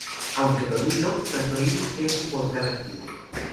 Aunque dormido, Santorini es un volcán activo.